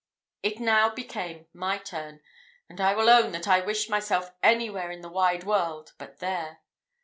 It now became my turn; and I will own that I wished myself anywhere in the wide world but there.